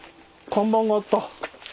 看板があった！